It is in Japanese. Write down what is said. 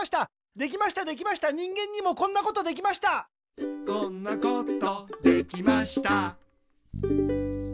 できましたできました人間にもこんなことできましたみなさんこんにちは。